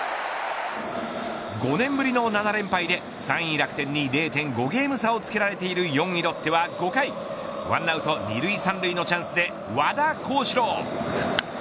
５年ぶりの７連敗で３位、楽天に０．５ゲーム差をつけられている４位ロッテは、５回１アウト二塁三塁のチャンスで和田康士朗。